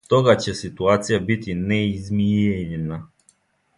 Стога ће ситуација бити неизмијењена.